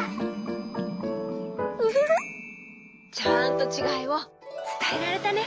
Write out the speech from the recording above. ウフフちゃんとちがいをつたえられたね。